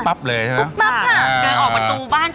อ่ะหลอน